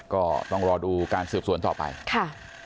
ก็ต้องรอดูการสืบสวนต่อไปค่ะ